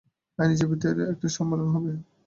আইনজীবীদের একটি সম্মেলন হবে।